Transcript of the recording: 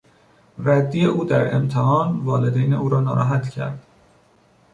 ردی او در امتحان والدین او را ناراحت کرد.